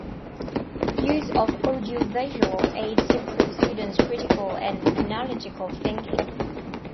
Use of audio visual aids improves students' critical and analytical thinking.